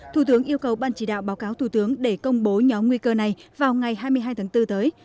thủ tướng yêu cầu ban chỉ đạo báo cáo thủ tướng để công bố nhóm nguy cơ này vào ngày hai mươi hai tháng bốn tới